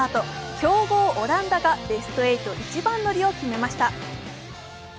強豪・オランダがベスト８一番乗りを決めました。